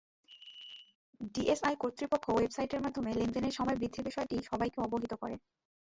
DSE কর্তৃপক্ষ ওয়েবসাইটের মাধ্যমে লেনদেনের সময় বৃদ্ধির বিষয়টি সবাইকে অবহিত করে।